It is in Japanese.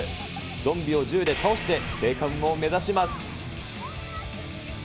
ゾンビを銃で倒して、生還を目指します。